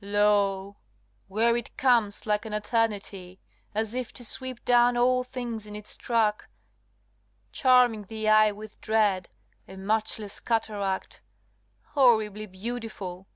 Lo! where it comes like an eternity, As if to sweep down all things in its track, Charming the eye with dread, a matchless cataract, LXXII. Horribly beautiful!